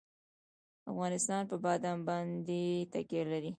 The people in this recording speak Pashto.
افغانستان په بادام باندې تکیه لري.